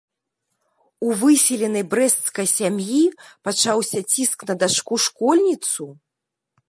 У выселенай брэсцкай сям'і пачаўся ціск на дачку-школьніцу?